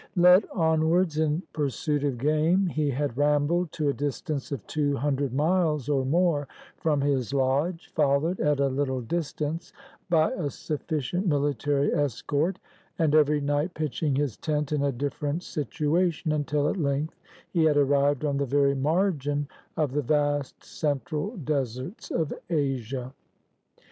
Led onwards in pursuit of game, he had rambled to a distance of two hundred miles or more from his lodge, 177 CHINA followed at a little distance by a sufficient military escort, and every night pitching his tent in a different situation, until at length he had arrived on the very margin of the vast central deserts of Asia.